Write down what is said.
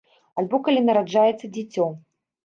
Альбо калі нараджаецца дзіцё.